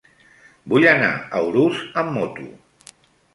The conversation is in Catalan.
Vull anar a Urús amb moto.